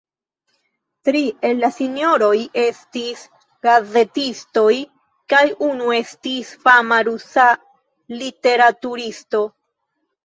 Tri el la sinjoroj estis gazetistoj kaj unu estis fama rusa literaturisto.